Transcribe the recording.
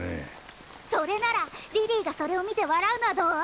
それならリリーがそれをみてわらうのはどう？